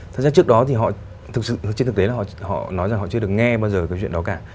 thật ra trước đó thì họ thực sự trên thực tế là họ nói rằng họ chưa được nghe bao giờ cái chuyện đó cả